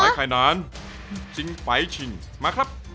ไข่นานจริงไปจริงมาครับ